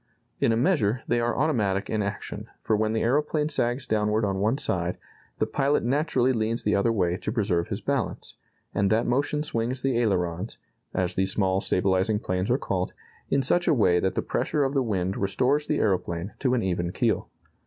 In a measure, they are automatic in action, for when the aeroplane sags downward on one side, the pilot naturally leans the other way to preserve his balance, and that motion swings the ailerons (as these small stabilizing planes are called) in such a way that the pressure of the wind restores the aeroplane to an even keel.